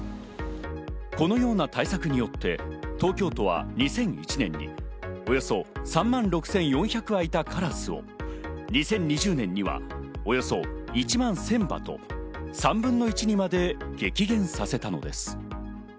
このような対策によって東京都は２００１年におよそ３万６４００羽いたカラスを２０２０年には、およそ１万１０００羽と３分の１にまで激減させたのです。